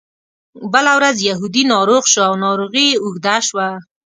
بله ورځ یهودي ناروغ شو او ناروغي یې اوږده شوه.